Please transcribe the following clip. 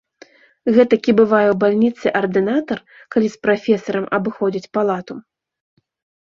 Гэтакі бывае ў бальніцы ардынатар, калі з прафесарам абыходзяць палату.